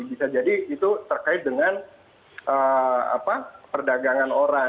bisa jadi itu terkait dengan perdagangan orang